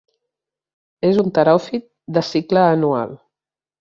És un teròfit de cicle anual.